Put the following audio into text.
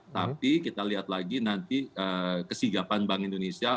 tapi kita lihat lagi nanti kesigapan bank indonesia